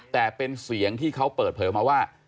แต่เป็นเสียงที่เขาเปิดเผยมาว่า